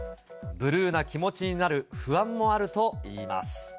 ブルーな気持ちになる不安もあるといいます。